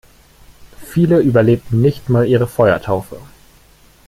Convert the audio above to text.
Viele überlebten nicht mal ihre Feuertaufe.